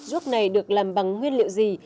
ruốc này được làm bằng nguyên liệu gì